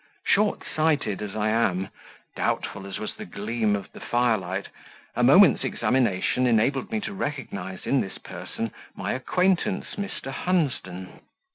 Short sighted as I am, doubtful as was the gleam of the firelight, a moment's examination enabled me to recognize in this person my acquaintance, Mr. Hunsden.